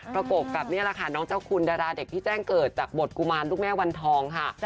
ประกบกับนี่แหละค่ะน้องเจ้าคุณดาราเด็กที่แจ้งเกิดจากบทกุมารลูกแม่วันทองค่ะ